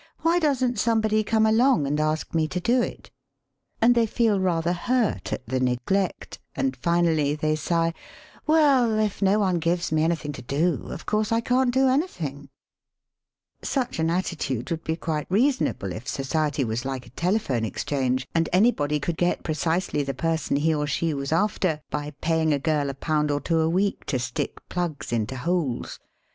Why doesn't some body come along and ask me to do it?" And they 25 26 SELF AND SELF MANAGEMENT feel rather hurt at the neglect, and finally they sigh: "Well, if no one gives me anything to do, of course I can't do anything." Such an attitude would he quite reasonable if society was like a telephone exchange, and any body could get precisely the person he or she was after by paying a girl a pound or two a week to stick plugs into holes.